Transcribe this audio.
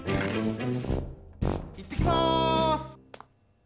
いってきます！